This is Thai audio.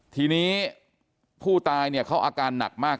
ทีนี้ผู้ตายเนี่ยเขาอาการหนักมาก